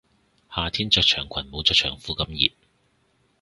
夏天着長裙冇着長褲咁熱